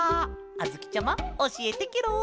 あづきちゃまおしえてケロ！